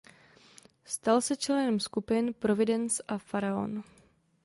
Stal se členem skupin Providence a Faraon.